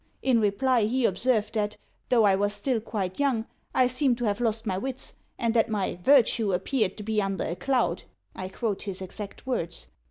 In reply he observed that, though I was still quite young, I seemed to have lost my wits, and that my "virtue appeared to be under a cloud" (I quote his exact words).